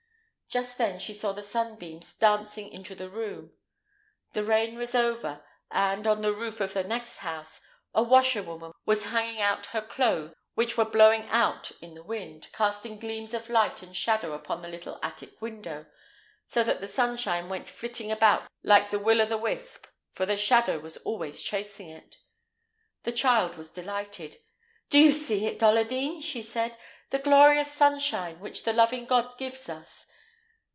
Just then she saw the sunbeams dancing into the room. The rain was over, and, on the roof of the next house, a washerwoman was hanging out her clothes, which were blowing about in the wind, casting gleams of light and shadow upon the little attic window, so that the sunshine went flitting about like the will o' the wisp, for the shadow was always chasing it. The child was delighted. "Do you see it, Dolladine," she said "the glorious sunshine which the loving God gives us?